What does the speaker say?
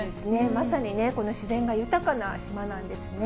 まさにね、自然が豊かな島なんですね。